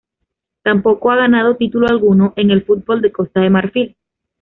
Tampoco ha ganado título alguno en el fútbol de Costa de Marfil.